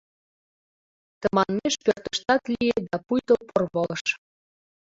Тыманмеш пӧртыштат лие да пуйто порволыш.